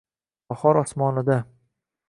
bahor osmonida